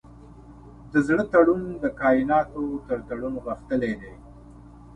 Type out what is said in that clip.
د زړه تړون د کایناتو تر تړون غښتلی دی.